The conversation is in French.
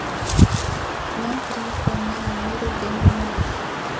L’intrigue connaît un heureux dénouement.